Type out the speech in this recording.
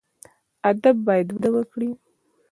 ادب باید وده وکړي